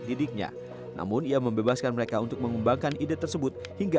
didiknya namun ia membebaskan mereka untuk mengembangkan ide tersebut hingga